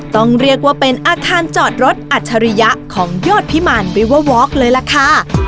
ต้องเรียกว่าเป็นอาคารจอดรถอัจฉริยะของยอดพิมารวิเวอร์วอคเลยล่ะค่ะ